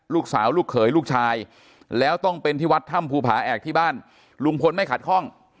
ลูกสาวลูกเขยลูกชายแล้วต้องเป็นที่วัดถ้ำภูผาแอกที่บ้านลุงพลไม่ขัดข้อง